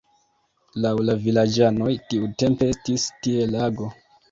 Laŭ la vilaĝanoj tiutempe estis tie lago.